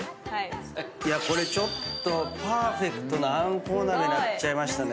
これちょっとパーフェクトなあんこう鍋になっちゃいましたね。